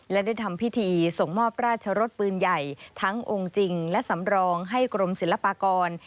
และได้ทำพิธีส่งมอบราชรสปืนใหญ่ทั้งองค์จริงและสำรองให้กรมศิลปากร